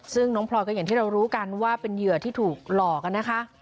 ซึ่งน้องพลอยก็อย่างที่เรารู้กันว่าเป็นเหยื่อที่ถูกหลอกกันนะคะ